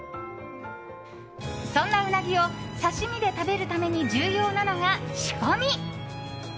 そんなうなぎを刺身で食べるために重要なのが仕込み。